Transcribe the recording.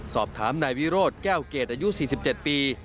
สอบถามนายวิโรธแก้วเกรดอายุ๔๗ปี